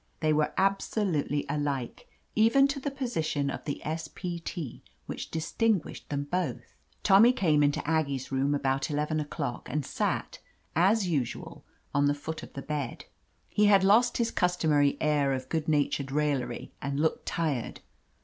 They were absolutely alike, even to the position of the S. P. T. which distinguished them both. Tommy came into Aggie's room about eleven o'clock and sat, as usual, on the foot of 127 THE AMAZING ADVENTURES the bed. He had lost his customary air of good natured raillery, and looked' tired.